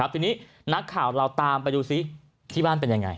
ทีนี้นักข่าวเราตามไปดูซิที่บ้านเป็นยังไง